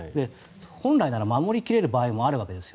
本来なら守り切れる場合もあるわけです。